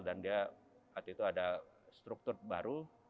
dan dia waktu itu ada struktur baru